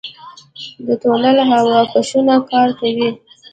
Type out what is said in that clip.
د تونل هوا کشونه کار کوي؟